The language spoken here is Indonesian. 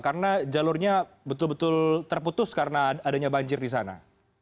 karena jalurnya betul betul terputus karena adanya banjir di sana